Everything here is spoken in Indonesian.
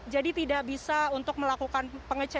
jadi tidak bisa untuk melakukan pengecekan bagian ya pak